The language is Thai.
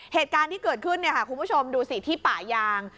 เหตุการณ์ที่เกิดขึ้นเนี่ยค่ะคุณผู้ชมดูสิที่ป่ายาง